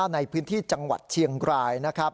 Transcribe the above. ในพื้นที่จังหวัดเชียงรายนะครับ